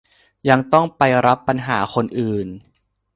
ยังต้องไปรับปัญหาคนอื่น